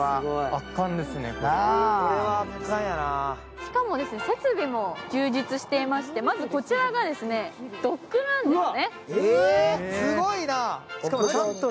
しかも設備充実していまして、まず、こちらがドックランですね。